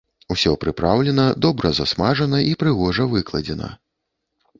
Усё прыпраўлена, добра засмажана і прыгожа выкладзена.